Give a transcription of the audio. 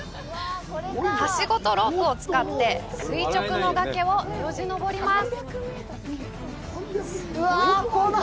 はしごとロープを使って垂直の崖をよじ登ります。